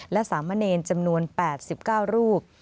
และสามเณรจำนวน๘๙รูป